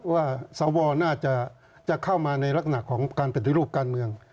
ว่าสวน่าจะเข้ามาในลักหนักของการเป็นรูปการเมือง